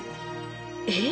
えっ！？